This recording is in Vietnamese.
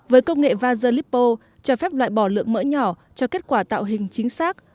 với công nghệ vezalipo cho phép loại bỏ lượng mỡ nhỏ cho kết quả tạo hình chính xác